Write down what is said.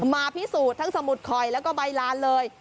มาพิสูจน์ทั้งสมุดคอยแล้วก็ใบลานเลย